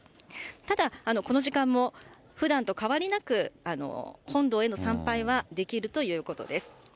ただ、この時間も、ふだんと変わりなく、本堂への参拝はできるということです。